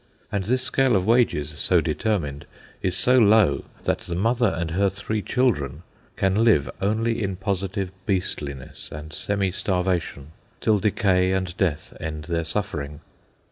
And this scale of wages, so determined, is so low that the mother and her three children can live only in positive beastliness and semi starvation, till decay and death end their suffering.